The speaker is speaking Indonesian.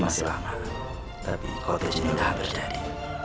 masih lama tapi kotej ini apa berjadi